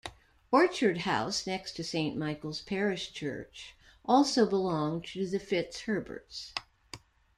Orchard House, next to Saint Michael's parish church, also belonged to the FitzHerberts.